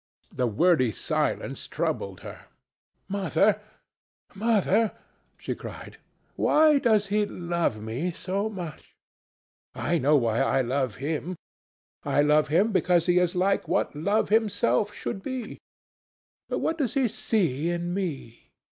The wordy silence troubled her. "Mother, Mother," she cried, "why does he love me so much? I know why I love him. I love him because he is like what love himself should be. But what does he see in me?